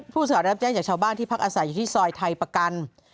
สาวรับแจ้งจากชาวบ้านที่พักอาศัยอยู่ที่ซอยไทยประกัน